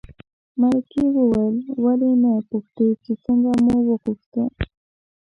مرکې وویل ولې نه پوښتې چې څنګه مو وغوښته.